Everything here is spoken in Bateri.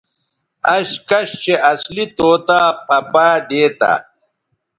اش کش چہء اصلی طوطا پھہ پائ دیتہ